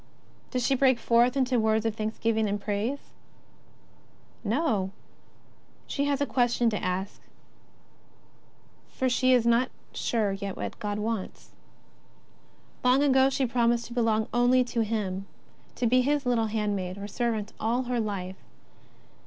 Does she break forth into words of thanks giving and praise ? Xo, she has a question to ask, for she is not sure jet what God wants. Long ago she promised to belong only to Him, to be His little hand maid or servant all her life.